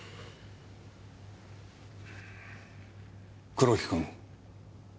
黒木君。